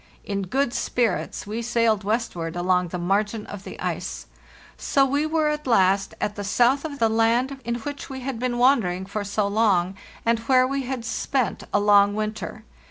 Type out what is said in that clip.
In good spirits, we sailed westward along the margin of the ice. So we were at last at the south of the land in which we had been wandering for so long, and where we had spent a long winter.